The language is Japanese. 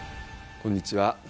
こんにちは。